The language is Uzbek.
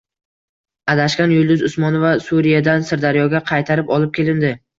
Adashgan Yulduz Usmonova – Suriyadan Sirdaryoga qaytarib olib kelindi